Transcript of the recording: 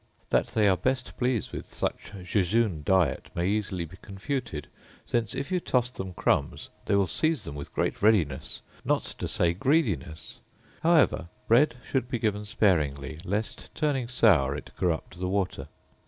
That they are best pleased with such jejune diet may easily be confuted, since if you toss them crumbs, they will seize them with great readiness, not to say greediness: however, bread should be given sparingly, lest, turning sour, it corrupt the water.